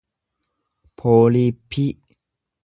pooliippii